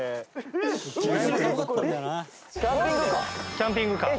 キャンピングカー？